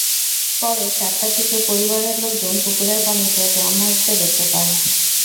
পরে চারটার দিকে পরিবারের লোকজন পুকুরের পানিতে ড্রাম ভাসতে দেখতে পান।